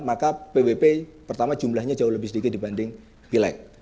maka pbp pertama jumlahnya jauh lebih sedikit dibanding pilek